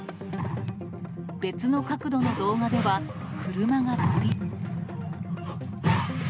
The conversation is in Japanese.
別の角度の動画では、車が飛び。